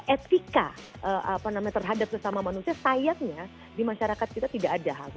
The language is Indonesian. etika apa namanya terhadap sesama manusia sayangnya di masyarakat kita tidak ada hal seperti itu